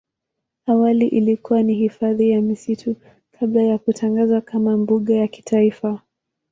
Awali ilikuwa ni hifadhi ya misitu kabla ya kutangazwa kama mbuga ya kitaifa.